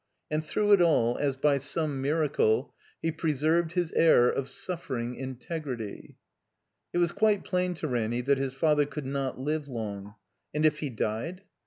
And through it all, as by some miracle, he pre served his air of suffering integrity. It was quite plain to Ranny that his father could not live long. And if he died ?